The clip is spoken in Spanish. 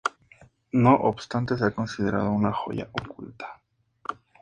No obstante, se ha considerado una joya oculta.